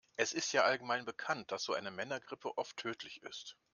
Es ist ja allgemein bekannt, dass so eine Männergrippe oft tödlich ist.